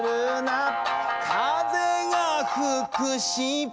「風が吹くし」